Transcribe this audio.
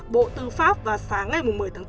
bộ tư pháp vào sáng ngày một mươi bốn